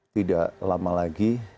tidak lama lagi